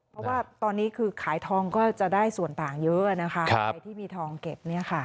เพราะว่าตอนนี้คือขายทองก็จะได้ส่วนต่างเยอะนะคะใครที่มีทองเก็บเนี่ยค่ะ